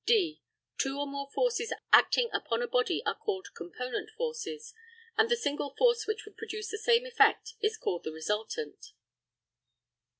(d) Two or more forces acting upon a body are called component forces, and the single force which would produce the same effect is called the resultant.